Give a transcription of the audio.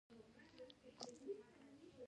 ټولي هغه کښتۍ ونیولې.